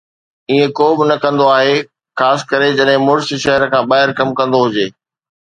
ائين ڪو به نه ڪندو آهي، خاص ڪري جڏهن مڙس شهر کان ٻاهر ڪم ڪندو هجي